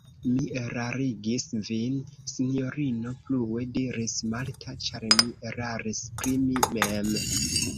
Mi erarigis vin, sinjorino, plue diris Marta, ĉar mi eraris pri mi mem.